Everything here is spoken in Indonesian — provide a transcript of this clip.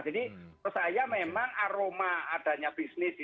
jadi menurut saya memang aroma adanya bisnis ini